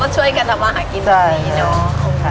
แล้วก็ช่วยกันเอามาหากินตรงนี้เนาะ